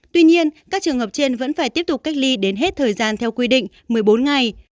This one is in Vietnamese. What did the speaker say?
tuy nhiên các trường hợp trên vẫn phải tiếp tục cách ly đến hết thời gian theo quy định một mươi bốn ngày